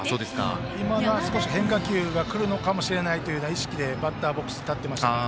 今のは変化球が来るかもしれないという意識でバッターボックスに立っていましたので。